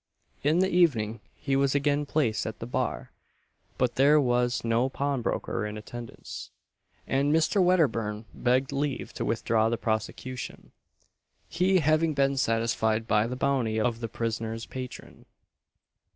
In the evening he was again placed at the bar; but there was no pawnbroker in attendance; and Mr. Wedderburn begged leave to withdraw the prosecution he having been satisfied by the bounty of the prisoner's patron.